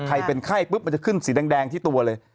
เป็นไข้ปุ๊บมันจะขึ้นสีแดงที่ตัวเลย